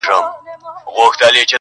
یو تعویذ درڅخه غواړمه غښتلی -